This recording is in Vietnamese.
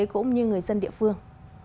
cũng như người dân địa phương